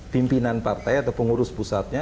pimpinan partai atau pengurus pusatnya